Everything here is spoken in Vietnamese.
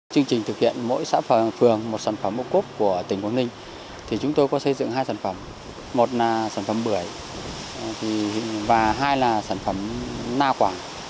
chương trình thực hiện mỗi xã phường một sản phẩm ô cốp của tỉnh quảng ninh chúng tôi có xây dựng hai sản phẩm một là sản phẩm bưởi và hai là sản phẩm na quảng